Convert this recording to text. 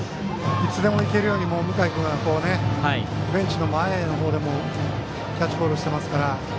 いつでもいけるように向井君はベンチの前の方でキャッチボールしていますから。